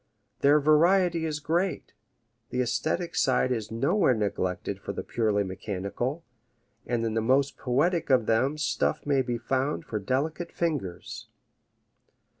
Their variety is great, the aesthetic side is nowhere neglected for the purely mechanical, and in the most poetic of them stuff may be found for delicate fingers.